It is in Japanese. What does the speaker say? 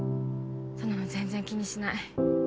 そんなの全然気にしない